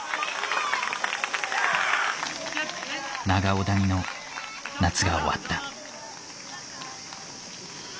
長尾谷の夏が終わった。